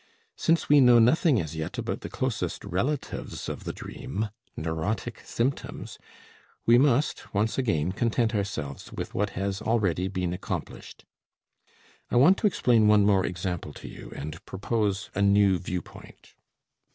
Since we know nothing as yet about the closest relatives of the dream, neurotic symptoms, we must once again content ourselves with what has already been accomplished. I want to explain one more example to you, and propose a new viewpoint.